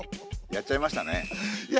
やっちゃいました。